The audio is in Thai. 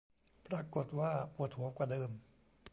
ปรากฏว่าปวดหัวกว่าเดิม